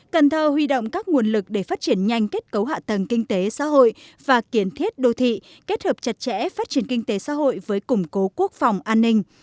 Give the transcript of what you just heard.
cần thơ huy động các nguồn lực để phát triển nhanh kết cấu hạ tầng kinh tế xã hội và kiến thiết đô thị kết hợp chặt chẽ phát triển kinh tế xã hội với củng cố quốc phòng an ninh